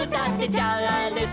「チャールストン」